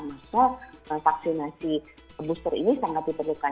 maksudnya vaksinasi booster ini sangat diperlukan